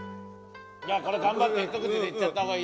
・これ頑張ってひと口でいっちゃった方がいいよ。